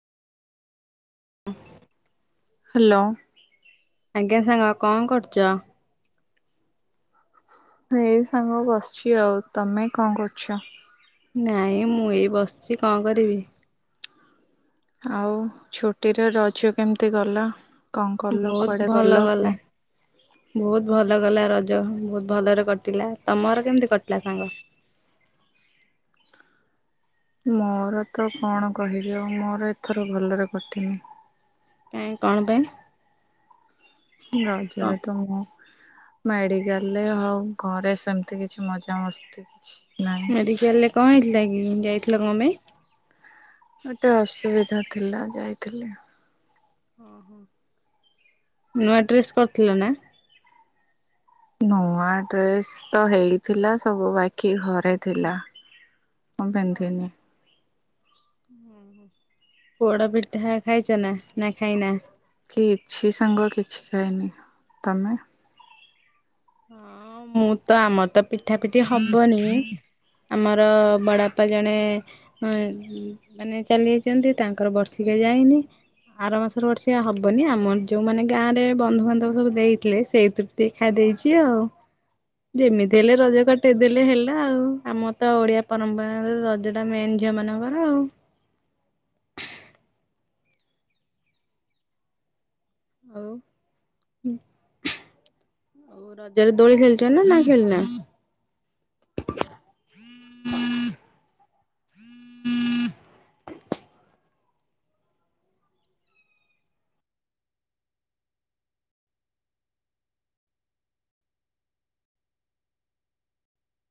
ଉଁହ hello. ଆଜ୍ଞା ସାଙ୍ଗ କଣ କରୁଚ? ଏଇ ସାଙ୍ଗ ବସିଛି ଆଉ ତମେ କଣ କରୁଛ? ନାଇଁ ମୁଁ ଏଇ ବସିଚି କଣ କରିବି? ଆଉ ଛୁଟିରେ ରଜ କେମତି ଗଲା କଣ କଲ ବହୁତ କୁଆଡ଼େ ଭଲ ଗଲ ଗଲା କୁ ବହୁତ ଭଲ ଗଲା ରଜ ବହୁତ ଭଲରେ କଟିଲା ତମର କେମତି କଟିଲା ସାଙ୍ଗ? ମୋର ତ କଣ କହିବି ଆଉ ମୋର ଏଥର ଭଲରେ କଟିନି। କାଇଁ କଣ ପାଇଁ? କଣ ରଜରେ ତ ମୁଁ ମେଡ଼ିକାଲରେ ହଁ ଉ ଘରେ ସେମତି କିଛି ମଜାମସ୍ତି କିଛି ନାହିଁ। ମେଡିକାଲ୍ ରେ କଣ ହେଇଥିଲା କି ଯାଇଥିଲ କଣ ପାଇଁ? ଗୋଟେ ଅସୁବିଧା ଥିଲା ଯାଇଥିଲି ଆ ନୂଆ ଡ୍ରେସ୍ କରଥିଲ ନା? ନୂଆ ଡ୍ରେସ ତ ହେଇଥିଲା ସବୁ ବାଖୀ ଘରେ ଥିଲା। ମୁଁ ପିନ୍ଧିନି। ପୋଡ଼ ପିଠା ଖାଇଚ ନା ନା ଖାଇନା? କିଛି ସାଙ୍ଗ କିଛି ଖାଇନି ତମେ? ହଁ ମୁଁ ତ ଆମର ତ ପିଠା ପିଠି ହବନି ଆମର ବଡ଼ ବାପା ଜଣେ ହଁ ମାନେ ଚାଲି ଯାଇଚନ୍ତି ତାଙ୍କର ବର୍ଷିକିଆ ଯାଇନି ଆର ମାଷରେ ବର୍ଷିଆ ହବନି ଆମନ ଯୋଉମାନେ ଗାଁରେ ବନ୍ଧୁବାନ୍ଧବ ସବୁ ଦେଇଥିଲେ ସେଇ ଥୁରୁ ଟିକେ ଖାଇ ଦେଇଛି। କିଏ ଆଉ? ଯେମିତି ହେଲେ ରଜ କାଟେଇ ଦେଲେ ହେଲା ଆଉ ଆମ ତ ଓଡିଆ ପରମ୍ପରାରେ ରଜ ମେନ ଝିଅ ମାନଙ୍କର ଆଉ ଆଉ ରଜରେ ଦୋଳି ଖେଳିଛ ନା ଖେଳିନ।